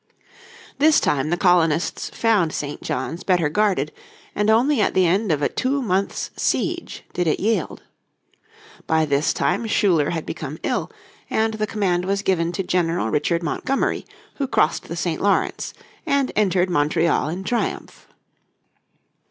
This time the colonists found St. John's better guarded, and only at the end of a two months' siege did it yield. By this time Schuyler had become ill, and the command was given to General Richard Montgomery who crossed the St. Lawrence, and entered Montreal in triumph.